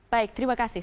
baik terima kasih